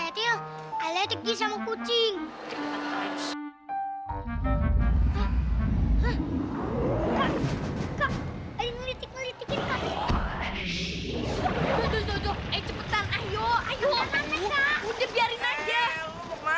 aduh itu tinggalin aja